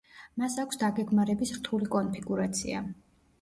მას აქვს დაგეგმარების რთული კონფიგურაცია.